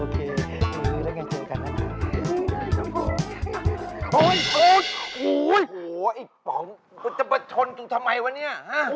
กูจะเบาต้นกูทำไมวะเนี้ย